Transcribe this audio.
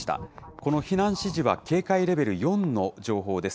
この避難指示は、警戒レベル４の情報です。